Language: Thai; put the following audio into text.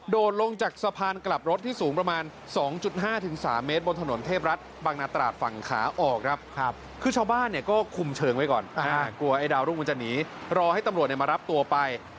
ลงจากสะพานกลับรถที่สูงประมาณ๒๕๓เมตรบนถนนเทพรัฐบางนาตราดฝั่งขาออกครับคือชาวบ้านเนี่ยก็คุมเชิงไว้ก่อนกลัวไอ้ดาวรุ่งมันจะหนีรอให้ตำรวจมารับตัวไป